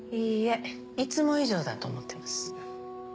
いいえいつも以上だと思ってます。